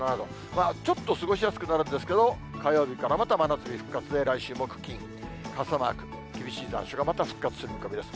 ちょっと過ごしやすくなるんですけど、火曜日からまた真夏日復活で来週木、金、傘マーク、厳しい残暑がまた復活する見込みです。